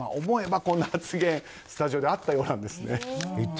思えば、こんな発言スタジオであったそうなんです。